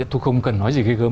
thì không cần nói gì gây gớm